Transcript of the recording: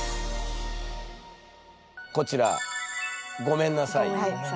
こちら「ごめんなさい」。